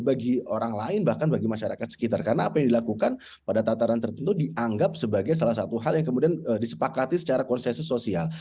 bagi orang lain bahkan bagi masyarakat sekitar karena apa yang dilakukan pada tataran tertentu dianggap sebagai salah satu hal yang kemudian disepakati secara konsensus sosial